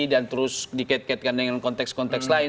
dan terus dikait kaitkan dengan konteks konteks lain